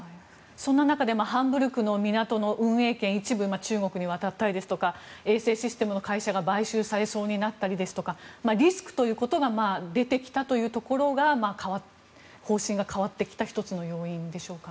そんな中でハンブルクの港の運営権が一部、中国に渡ったりですとか衛星システムの会社が買収されそうになったりとかリスクということが出てきたというところが方針が変わってきた１つの要因でしょうか。